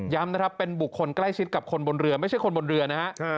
นะครับเป็นบุคคลใกล้ชิดกับคนบนเรือไม่ใช่คนบนเรือนะฮะ